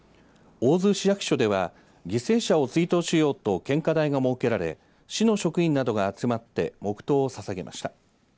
大津市役所では犠牲者を追悼しようと献花台が設けられ市の職員などが集まって黙とうをささげました。